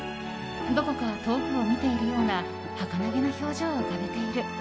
どこか遠くを見ているようなはかなげな表情を浮かべている。